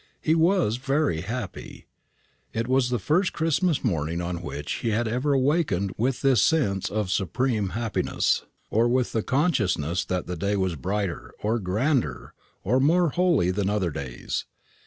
He was very happy. It was the first Christmas morning on which he had ever awakened with this sense of supreme happiness, or with the consciousness that the day was brighter, or grander, or more holy than other days.